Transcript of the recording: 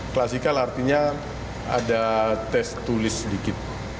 klasikal artinya ada tes tulis sedikit